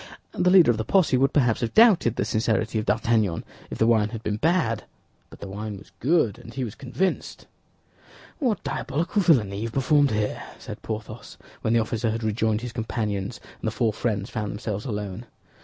The leader of the posse would perhaps have doubted the sincerity of D'Artagnan if the wine had been bad; but the wine was good, and he was convinced. "What diabolical villainy you have performed here," said Porthos, when the officer had rejoined his companions and the four friends found themselves alone.